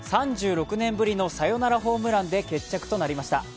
３６年ぶりのサヨナラホームランで決着となりました。